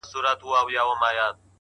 o ښايستو کي خيالوري پيدا کيږي،